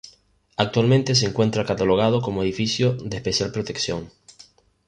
Actualmente se encuentra catalogado como edificio de Especial Protección.